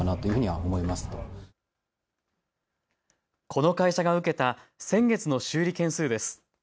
この会社が受けた先月の修理件数です。